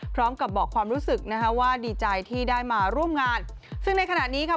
พร้อมกับบอกความรู้สึกนะคะว่าดีใจที่ได้มาร่วมงานซึ่งในขณะนี้ค่ะ